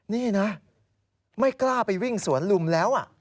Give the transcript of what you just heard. นี่นะไม่กล้าไปวิ่งสวนลุมแล้ว